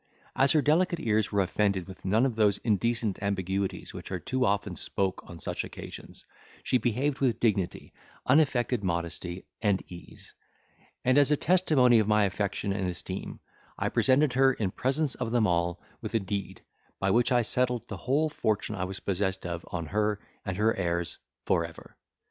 As her delicate ears were offended with none of those indecent ambiguities which are too often spoken on such occasions, she behaved with dignity, unaffected modesty, and ease; and, as a testimony of my affection and esteem, I presented her, in presence of them all, with a deed, by which I settled the whole fortune I was possessed of on her and her heirs for ever.